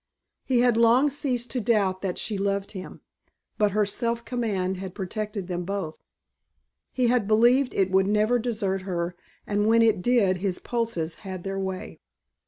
He had long ceased to doubt that she loved him, but her self command had protected them both. He had believed it would never desert her and when it did his pulses had their way.